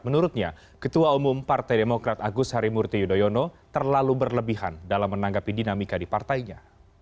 menurutnya ketua umum partai demokrat agus harimurti yudhoyono terlalu berlebihan dalam menanggapi dinamika di partainya